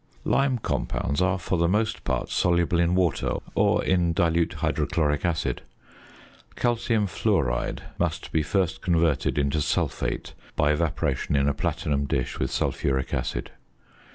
Lime compounds are for the most part soluble in water or in dilute hydrochloric acid. Calcium fluoride must be first converted into sulphate by evaporation in a platinum dish with sulphuric acid.